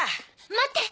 待って！